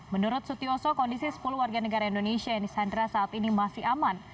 menurut sutioso kondisi sepuluh warga negara indonesia yang disandra saat ini masih aman